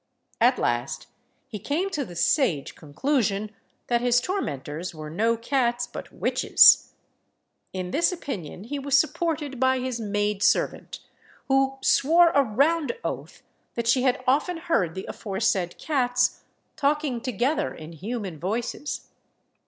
At last he came to the sage conclusion that his tormentors were no cats, but witches. In this opinion he was supported by his maid servant, who swore a round oath that she had often heard the aforesaid cats talking together in human voices.